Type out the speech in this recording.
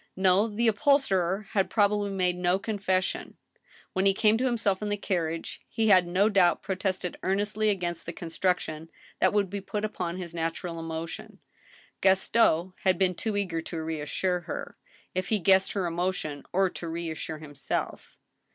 No ; the upholsterer had probably made no confes sion. When he came to himself in the carriage he had no doubt protested earnestly against the construction that would be put upon his natural emotion. Gaston had been too eager to reassure her, if he guessed her emotion, or to reassure himself.